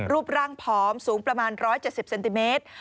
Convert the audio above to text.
รูปร่างผอมสูงประมาณ๑๗๐เซนติเมตร